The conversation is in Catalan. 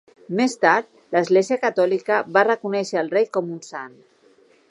Més tard, l'Església Catòlica va reconèixer el rei com un sant.